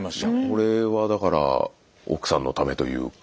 これはだから奥さんのためというか。